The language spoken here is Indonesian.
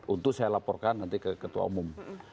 untuk saya laporkan nanti ke ketua umum